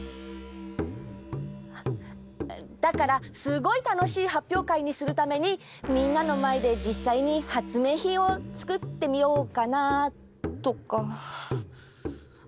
だからすごいたのしいはっぴょうかいにするためにみんなのまえでじっさいに発明品をつくってみようかな？とか。